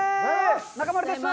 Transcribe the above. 中丸です。